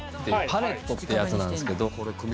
パレットってやつなんですけど。